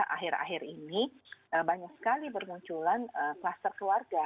akhir akhir ini banyak sekali bermunculan kluster keluarga